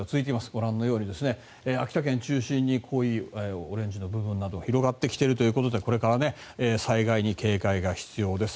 ご覧のように秋田県を中心に濃いオレンジの部分など広がってきているということでこれから災害に警戒が必要です。